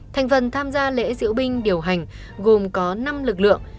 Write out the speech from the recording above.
thành phần tham gia lễ diễu binh điều hành gồm có năm lực lượng